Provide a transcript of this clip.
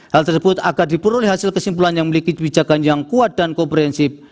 hal tersebut agar diperoleh hasil kesimpulan yang memiliki kebijakan yang kuat dan komprehensif